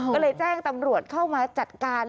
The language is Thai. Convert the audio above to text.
ก็เลยแจ้งตำรวจเข้ามาจัดการ